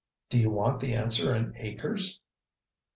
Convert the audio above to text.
"D'you want the answer in acres?"